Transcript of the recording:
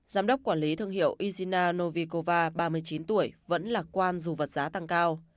giám đốc quản lý thương hiệu izina novikova ba mươi chín tuổi vẫn lạc quan dù vật giá tăng cao